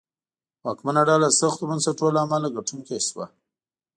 واکمنه ډله د سختو بنسټونو له امله ګټونکې شوه.